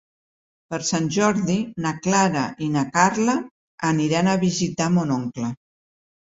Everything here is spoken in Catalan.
Per Sant Jordi na Clara i na Carla aniran a visitar mon oncle.